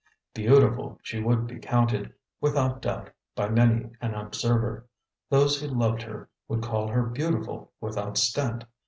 Beautiful she would be counted, without doubt, by many an observer; those who loved her would call her beautiful without stint.